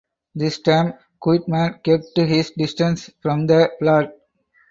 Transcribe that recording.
This time Quitman kept his distance from the plot.